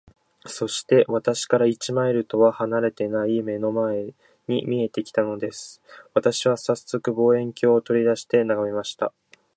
そして、私から一マイルとは離れていない眼の前に見えて来たのです。私はさっそく、望遠鏡を取り出して眺めました。